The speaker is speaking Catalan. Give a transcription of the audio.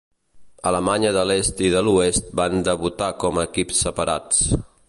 Alemanya de l'Est i de l'Oest van debutar com a equips separats.